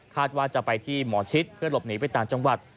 ว่าจะไปที่หมอชิดเพื่อหลบหนีไปต่างจังหวัด